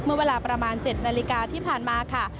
เมื่อเวลาประมาณ๗นาฬิกาที่ผ่านมาค่ะ